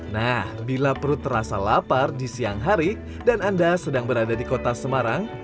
nah bila perut terasa lapar di siang hari dan anda sedang berada di kota semarang